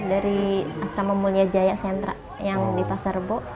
dari asrama mulia jaya sentra yang di pasarbo